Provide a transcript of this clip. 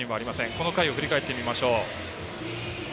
この回を振り返ってみましょう。